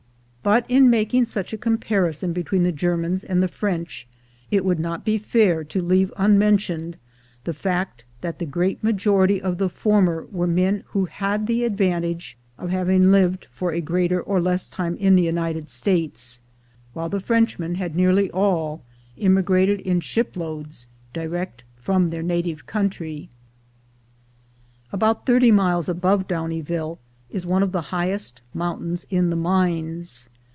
But in making such a comparison between the Ger mans and the French, It would not be fair to leave unmentioned the fact that the great majorit} of the former were men who had the advantage of having lived for a greater or less time in the United States, while the Frenchmen had nearly all immigrated in shiploads direct from their native countrj . About thirt} miles above Do « nieville is one of the highest mountains in the mines.